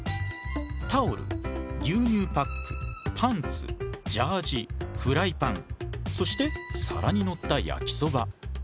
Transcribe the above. タオル牛乳パックパンツジャージフライパンそして皿に乗った焼きそば。